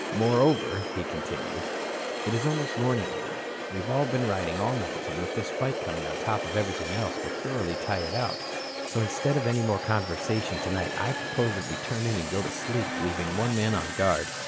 "Moreover," he continued, "it is almost morning now. We all have been riding all night and with this fight coming on top of everything else, we are thoroughly tired out. So, instead of any more conversation tonight, I propose that we turn in and go to sleep, leaving one man on guard.